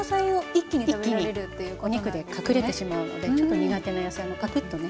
一気にお肉で隠れてしまうのでちょっと苦手な野菜もパクッとね